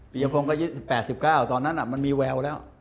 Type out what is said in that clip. ปียพงต์คือ๑๘๑๙ตอนนั้นมันมีวัวแล้ว